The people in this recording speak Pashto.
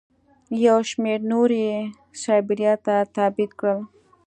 یو شمېر نور یې سایبریا ته تبعید کړل.